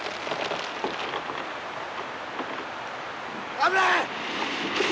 危ない！